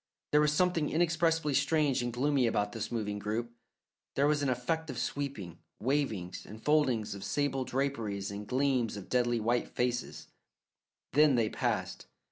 There was something inexpressibly strange and gloomy about this moving group; there was an effect of sweeping, wavings and foldings of sable draperies and gleams of deadly white faces; then they passed.